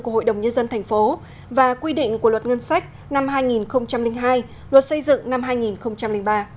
của hội đồng nhân dân tp và quy định của luật ngân sách năm hai nghìn hai luật xây dựng năm hai nghìn ba